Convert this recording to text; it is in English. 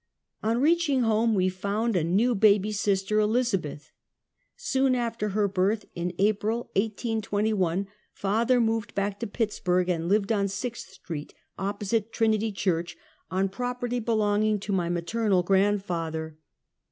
On reaching home, we found a new baby sister, Eliz abeth. Soon after her birth, in April, 1821, father moved back to Pittsburg, and lived on Sixth street, opposite Trinity Church, on property belonging to my maternal grandfather.